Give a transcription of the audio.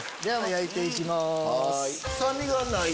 焼いていきます。